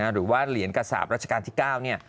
หรือว่าเหรียญกระสาปรัชกาลที่๙เนี่ย